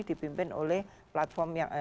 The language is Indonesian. dipimpin oleh platform yang